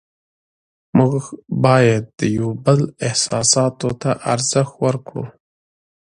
موږ باید د یو بل احساساتو ته ارزښت ورکړو